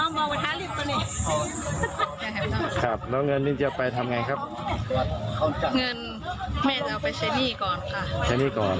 แม่ครับค่ะแล้วเงินเจอไปทำยังไงครับเงินเนี่ยก่อน